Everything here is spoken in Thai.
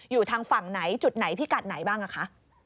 อยู่ทางฝั่งไหนจุดไหนพิกัดไหนบ้างอะคะ